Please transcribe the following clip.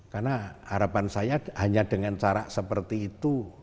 karena harapan saya hanya dengan cara seperti itu